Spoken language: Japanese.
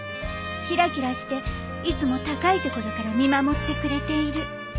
キラキラしていつも高い所から見守ってくれている